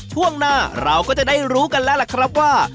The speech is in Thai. ช่วงหน้าเราก็จะได้รู้กันแล้วล่ะครับว่า